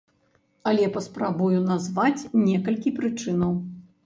Але паспрабую назваць некалькі прычынаў.